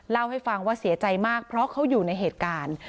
เล่าให้ฟังว่าเสียใจมากเพราะเขาอยู่ในเหตุการณ์